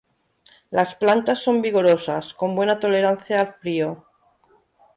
Las plantas son vigorosas, con buena tolerancia al frío.